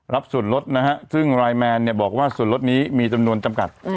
รับส่วนลดนะฮะซึ่งรายแมนเนี่ยบอกว่าส่วนลดนี้มีจำนวนจำกัด